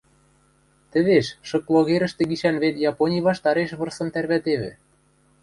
Тӹвеш, шык логерӹштӹ гишӓн вет Япони ваштареш вырсым тӓрвӓтевӹ.